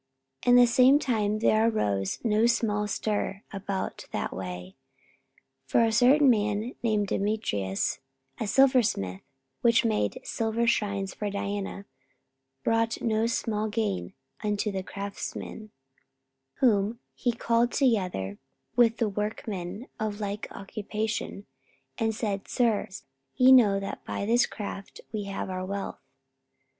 44:019:023 And the same time there arose no small stir about that way. 44:019:024 For a certain man named Demetrius, a silversmith, which made silver shrines for Diana, brought no small gain unto the craftsmen; 44:019:025 Whom he called together with the workmen of like occupation, and said, Sirs, ye know that by this craft we have our wealth.